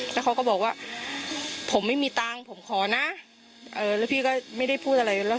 แล้วเขาก็บอกว่าผมไม่มีตังค์ผมขอนะเออแล้วพี่ก็ไม่ได้พูดอะไรแล้ว